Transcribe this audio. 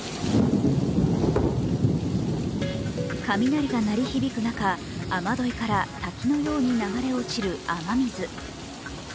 雷が鳴り響く中、雨どいから滝のように流れ落ちる雨水。